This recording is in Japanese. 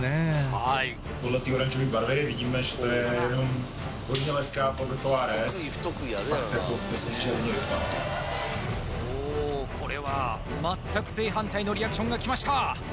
はいおこれは全く正反対のリアクションが来ました！